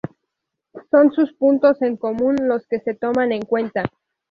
Son sus puntos en común los que se toman en cuenta.